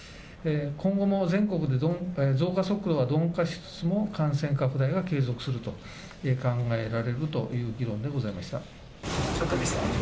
今後も全国で増加速度は鈍化しつつも、感染拡大が継続すると考えられるという議論でございました。